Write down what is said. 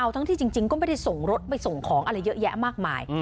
ทั้งที่จริงก็ไม่ได้ส่งรถไปส่งของอะไรเยอะแยะมากมาย